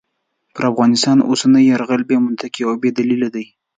پر افغانستان اوسنی یرغل بې منطقې او بې دلیله دی.